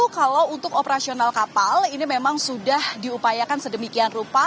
kalau untuk operasional kapal ini memang sudah diupayakan sedemikian rupa